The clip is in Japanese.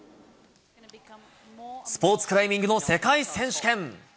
スポーツクライミングの世界選手権。